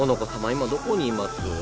今どこにいます？